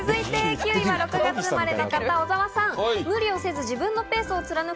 ９位は６月生まれの方、小澤さんです。